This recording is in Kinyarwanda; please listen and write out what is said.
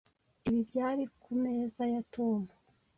Ibi byari kumeza ya Tom.